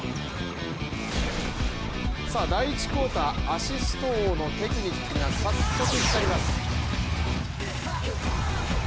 第１クオーター、アシスト王のテクニックが早速光ります。